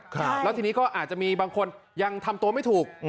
แล้วทีนี้ก็อาจจะมีบางคนยังทำตัวไม่ถูก